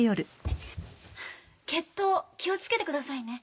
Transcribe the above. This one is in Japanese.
決闘気を付けてくださいね。